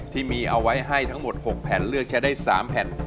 ที่มีเอาไว้ให้ทั้งหมด๖แผ่นเลือกใช้ได้๓แผ่น